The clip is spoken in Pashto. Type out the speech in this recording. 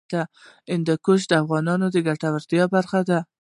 هندوکش د افغانانو د ګټورتیا برخه ده.